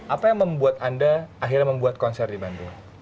apa yang membuat anda akhirnya membuat konser di bandung